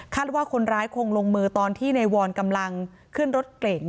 ว่าคนร้ายคงลงมือตอนที่ในวรกำลังขึ้นรถเก่ง